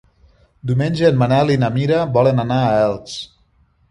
Diumenge en Manel i na Mira volen anar a Elx.